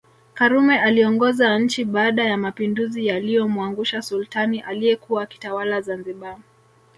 Karume aliongoza nchi baada ya mapinduzi yaliyomwangusha Sultani aliyekuwa akitawala Zanzibar